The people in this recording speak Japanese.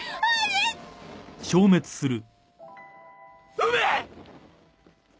梅！